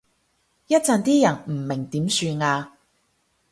一陣啲人唔明點算啊？